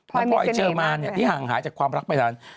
พลอยมิสเซียแมนป์นี้ที่ห่างหายจากความรักไปแล้ว